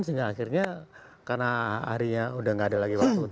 sehingga akhirnya karena harinya udah gak ada lagi waktu